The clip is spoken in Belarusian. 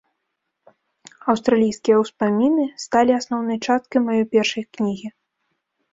Аўстралійскія ўспаміны сталі асноўнай часткай маёй першай кнігі.